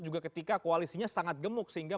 juga ketika koalisinya sangat gemuk sehingga